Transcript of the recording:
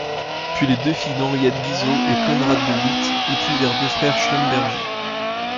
Puis les deux filles d'Henriette Guizot et Conrad de Witt épousèrent deux frères Schlumberger.